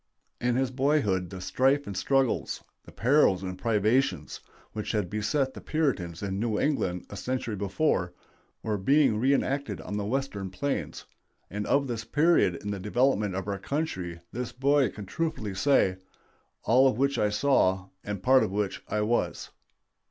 In his boyhood the strife and struggles, the perils and privations, which had beset the Puritans in New England a century before, were being reënacted on the Western plains; and of this period in the development of our country this boy can truthfully say, "All of which I saw, and part of which I was."